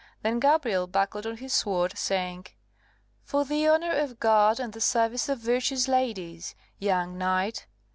Then Gabrielle buckled on his sword, saying, "For the honour of God and the service of virtuous ladies, young knight.